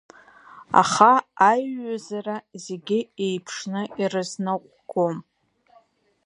Аха аиҩызара зегьы еиԥшны ирызныҟәгом.